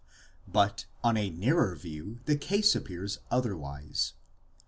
But on a nearer view the case appears otherwise.